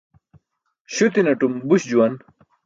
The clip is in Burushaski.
Śuti̇naṭum buś juwan.